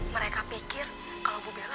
mereka pikir kalau bu bella